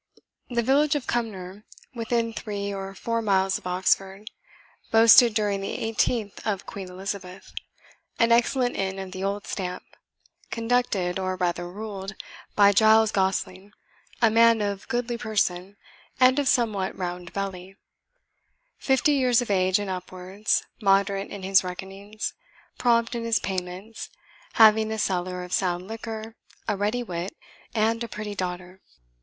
The village of Cumnor, within three or four miles of Oxford, boasted, during the eighteenth of Queen Elizabeth, an excellent inn of the old stamp, conducted, or rather ruled, by Giles Gosling, a man of a goodly person, and of somewhat round belly; fifty years of age and upwards, moderate in his reckonings, prompt in his payments, having a cellar of sound liquor, a ready wit, and a pretty daughter.